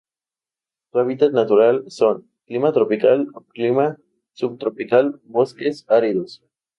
Su hábitat natural son: Clima tropical o Clima subtropical, bosques áridos.